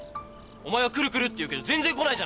お前は来る来るって言うけど全然来ないじゃないか！